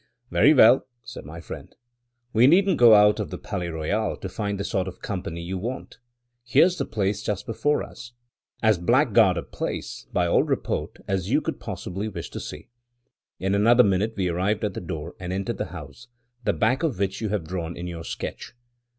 "Very well," said my friend, "we needn't go out of the Palais Royal to find the sort of company you want. Here's the place just before us; as blackguard a place, by all report, as you could possibly wish to see." In another minute we arrived at the door, and entered the house, the back of which you have drawn in your sketch.